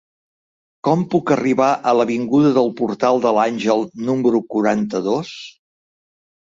Com puc arribar a l'avinguda del Portal de l'Àngel número quaranta-dos?